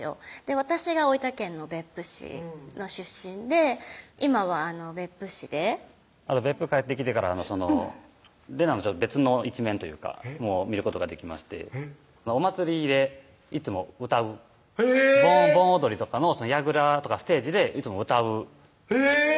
私が大分県の別府市の出身で今は別府市で別府帰ってきてから怜奈の別の一面というか見ることができましてお祭りでいつも歌う盆踊りとかのやぐらとかステージでいつも歌うへぇ！